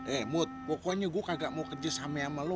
eh mut pokoknya gue kagak mau kerja sama sama lo